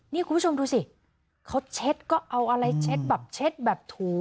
นี่คุณผู้ชมดูสิเขาเช็ดก็เอาอะไรเช็ดแบบเช็ดแบบถู